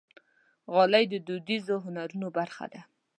غالۍ د دودیزو هنرونو برخه ده.